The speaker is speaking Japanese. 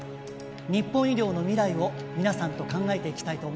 「日本医療の未来を皆さんと考えていきたいと思います」